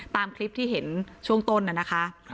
ตามคลิปที่เห็นช่วงต้นน่ะนะคะ